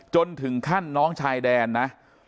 จนถึงขั้นน้องชายแดนนะ